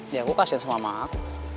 ya aku kasian sama mama aku